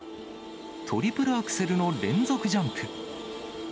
トリプルアクセルの連続ジャンプ。